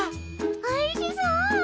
おいしそう！